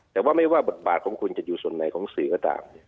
แต่ว่าไม่ว่าบทบาทของคุณจะอยู่ส่วนไหนของสื่อก็ตาม